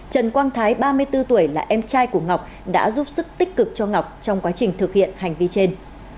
trần quang thái ba mươi bốn tuổi là em trai của ngọc đã giúp sức tích cực cho ngọc trong quá trình thực hiện hành vi trên